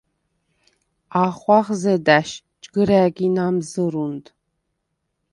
ახღვახ ზედა̈შ ჯგჷრა̄̈გი ნა̈მზჷრუნდ.